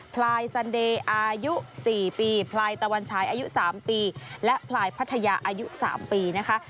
พลายซันเดย์อายุ๔ปีพลายตะวันชายอายุ๓ปีและพลายพัทยาอายุ๓ปีนะคะ